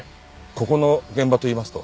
ここの現場といいますと？